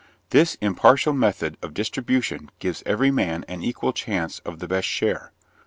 This impartial method of distribution gives every man an equal chance of the best share.